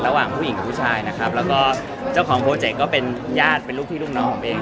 ระหว่างผู้หญิงกับผู้ชายจ้าของเป็นย่าดรูปน้อยเคย